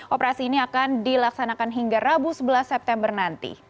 operasi ini akan dilaksanakan hingga rabu sebelas september nanti